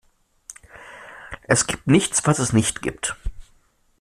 Es gibt nichts, was es nicht gibt.